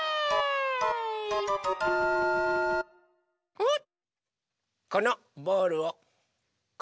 おっ。